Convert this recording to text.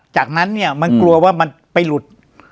จากนั้นเนี่ยมันกลัวว่ามันไปหลุด